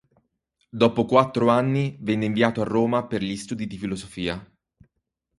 Dopo quattro anni venne inviato a Roma per gli studi di filosofia.